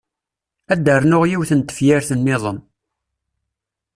Ad d-rnuɣ yiwet n tefyirt-nniḍen.